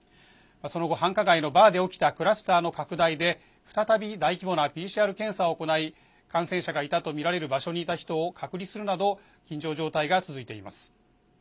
その後、繁華街のバーで起きたクラスターの拡大で再び大規模なＰＣＲ検査を行い感染者がいたとみられる場所にいた人を隔離するなど緊張状態が続いています。